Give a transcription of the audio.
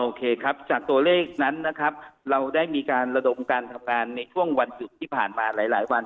โอเคครับจากตัวเลขนั้นนะครับเราได้มีการระดมการทำงานในช่วงวันหยุดที่ผ่านมาหลายหลายวัน